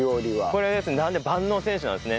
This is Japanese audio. これ万能選手なんですね。